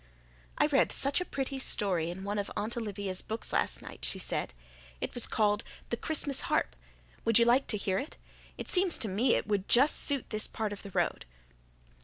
"I read such a pretty story in one of Aunt Olivia's books last night," she said. "It was called 'The Christmas Harp.' Would you like to hear it? It seems to me it would just suit this part of the road."